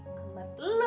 masa bua yang sama